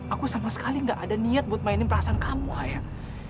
aku sama sekali gak ada niat buat mainin perasaan kamu ayah